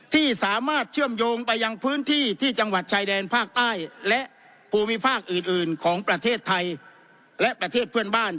ที่สามารถเชื่อมโยงไปยังพื้นที่ที่จังหวัดชายแดนภาคใต้และภูมิภาคอื่นอื่นของประเทศไทยและประเทศเพื่อนบ้าน